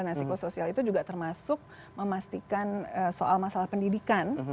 nah psikosoial itu juga termasuk memastikan soal masalah pendidikan